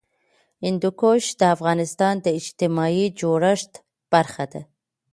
هندوکش د افغانستان د اجتماعي جوړښت برخه ده.